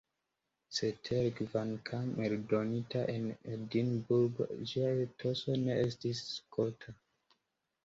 Cetere, kvankam eldonita en Edinburgo, ĝia etoso ne estis skota.